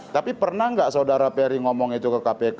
tapi pernah nggak saudara perry ngomong itu ke kpk